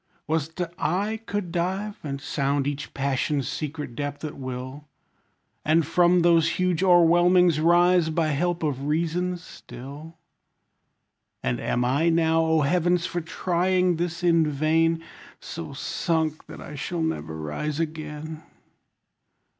Was't I could dive, and sound each passion's secret depth at will? And from those huge o'erwhelmings rise, by help of reason still? And am I now, O heavens! for trying this in vain, So sunk that I shall never rise again?